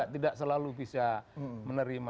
tidak selalu bisa menerima